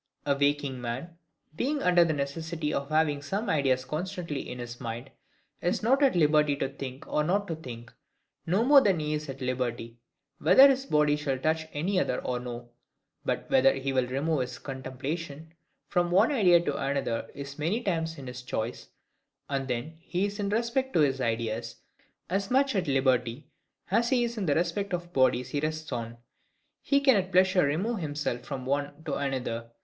A waking man, being under the necessity of having some ideas constantly in his mind, is not at liberty to think or not to think; no more than he is at liberty, whether his body shall touch any other or no, but whether he will remove his contemplation from one idea to another is many times in his choice; and then he is, in respect of his ideas, as much at liberty as he is in respect of bodies he rests on; he can at pleasure remove himself from one to another.